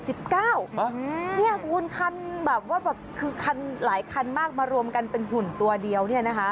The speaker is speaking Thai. ฮือคุณคันหลายคันมากมารวมกันเป็นหุ่นตัวเดียว